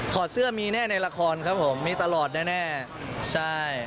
อดเสื้อมีแน่ในละครครับผมมีตลอดแน่ใช่